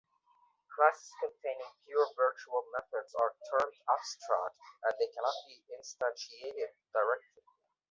Classes containing pure virtual methods are termed "abstract" and they cannot be instantiated directly.